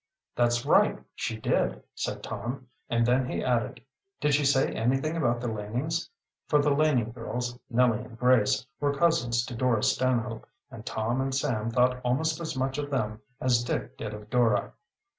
"That's right, she did," said Tom. And then he added: "Did she say anything about the Lanings?" For the Laning girls, Nellie and Grace, were cousins to Dora Stanhope, and Tom and Sam thought almost as much of them as Dick did of Dora.